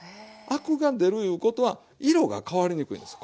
アクが出るいうことは色が変わりにくいんです